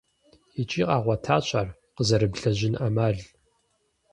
ИкӀи къагъуэтащ ар къызэрыблэжьын Ӏэмал.